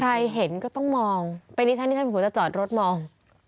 ใครเห็นก็ต้องมองเป็นนิชย์นิชย์ผมคงจะจอดรถมอง